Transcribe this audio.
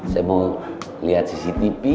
saya mau lihat cctv